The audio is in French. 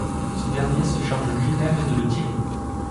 Ce dernier se charge lui-même de le tirer.